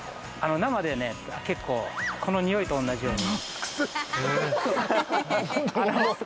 生でね、結構このにおいと同じように。